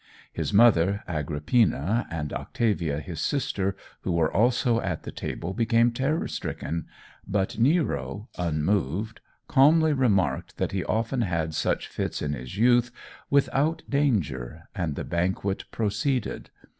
His mother, Agrippina, and Octavia, his sister, who were also at the table, became terror stricken, but Nero, unmoved, calmly remarked that he often had such fits in his youth without danger, and the banquet proceeded.